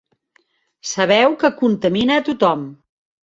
Sabeu que contamina a tothom.